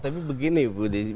tapi begini bu